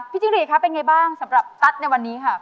พี่จริงเรียครับเป็นไงบ้างสำหรับตั๊ดในวันนี้ค่ะ